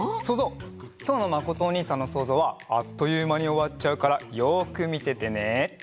そうぞうきょうのまことおにいさんのそうぞうはあっというまにおわっちゃうからよくみててね。